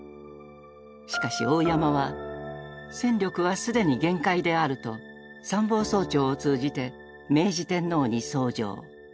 しかし大山は戦力は既に限界であると参謀総長を通じて明治天皇に奏上。